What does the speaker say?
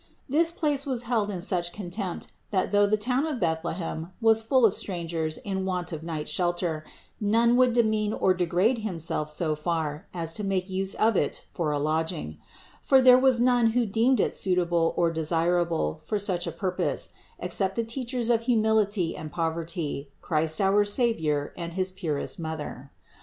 This place was held in such contempt that though the town of Bethlehem was full of strangers in want of night shelter, none would demean or degrade himself so far as to make use of it for a lodging; for there was none who deemed it suitable or desirable for such a purpose, except the Teachers of humility and poverty, Christ our Savior and his purest Mother.